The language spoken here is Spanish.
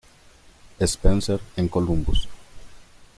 Spencer en Columbus.